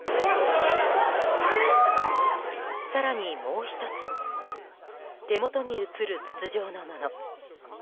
更にもう１つ手元に映る筒状のもの。